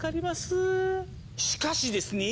しかしですね